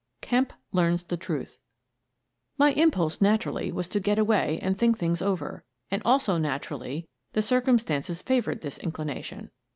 KEMP LEARNS THE TRUTH My impulse, naturally, was to get away and think things over, and, also naturally, the circum stances favoured this inclination.